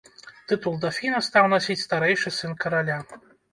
Тытул дафіна стаў насіць старэйшы сын караля.